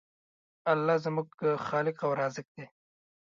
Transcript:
الله زموږ خالق او رازق دی.